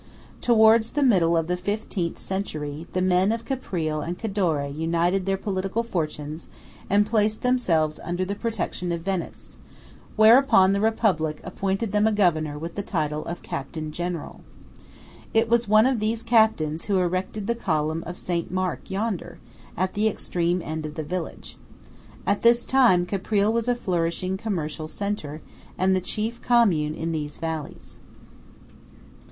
Towards the middle of the XV. century, the men of Caprile and Cadore united their political fortunes and placed themselves under the protection of Venice; whereupon the Republic appointed them a governor with the title of Captain General. It was one of these Captains who erected the column of St. Mark yonder, at the extreme end of the village. At this time Caprile was a flourishing commercial centre, and the chief commune in these valleys.